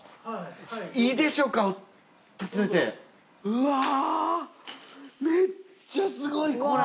うわめっちゃすごいこれ。